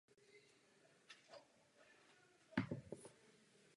Jeho politická kariéra vyvrcholila po zániku monarchie.